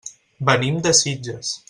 Venim de Sitges.